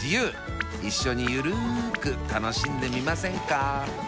一緒にゆるく楽しんでみませんか？